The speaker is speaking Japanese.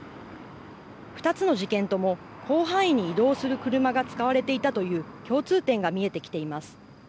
２つの事件とも広範囲に移動する車が使われていたという共通点が見えてきています。